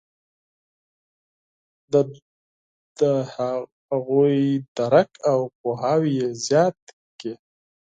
د هغوی درک او پوهاوی یې زیات کړ.